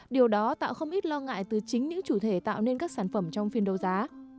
điều đó tạo không ít lo ngại từ chính những chủ thể tạo nên các sản phẩm trong phiên đấu giá